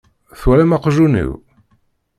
Twalam aqjun-iw?